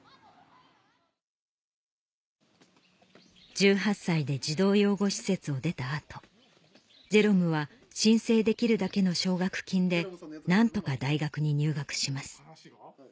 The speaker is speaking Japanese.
１８歳で児童養護施設を出た後ジェロムは申請できるだけの奨学金で何とか大学に入学します